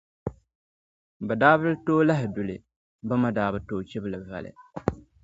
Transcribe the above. Bɛ daa bi tooi lahi du li, bɛ mi bɛ tooi chibi li voli.